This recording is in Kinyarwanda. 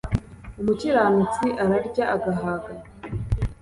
Umukiranutsi ararya agahaga